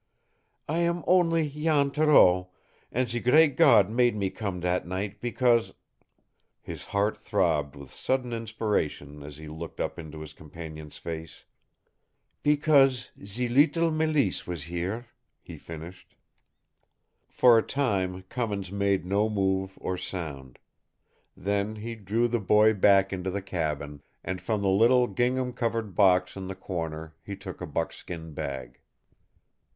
"I am only Jan Thoreau, an' ze great God made me come that night because" his heart throbbed with sudden inspiration as he looked up into his companion's face "because ze leetle Mélisse was here," he finished. For a time Cummins made no move or sound; then he drew the boy back into the cabin, and from the little gingham covered box in the corner he took a buckskin bag.